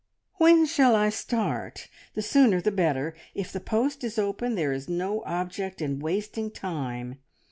"When shall I start? The sooner the better. If the post is open there is no object in wasting time."